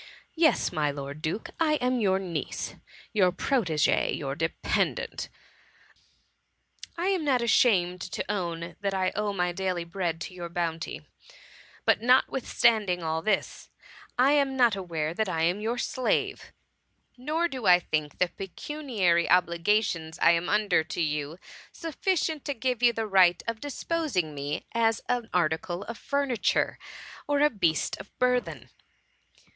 Yes, my lord duke, I am your niece — your prot6g6e— your dependant. I am not ashamed to own that I owe my daOy bread 102 THE MUHIIY. to your bounty ; but Qotwithstanding all this, I am not aware that I am your slave, nor do I think the pecuniary obligations I am under to you sufficient to give you the right of dis posing of me as an article of furniture, or a beast of burthen."